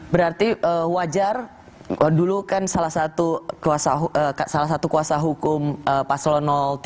berarti wajar dulu kan salah satu kuasa hukum paslon tiga